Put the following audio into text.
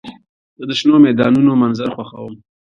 زه د شنو میدانونو منظر خوښوم.